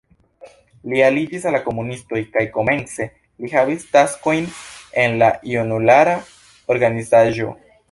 Li aliĝis al la komunistoj kaj komence li havis taskojn en la junulara organizaĵo.